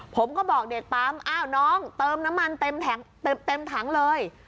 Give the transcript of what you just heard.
ผมก็บอกเด็กปั๊มอ้าวน้องเติมน้ำมันเต็มถังเลย